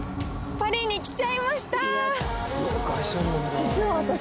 パリに来ちゃいました。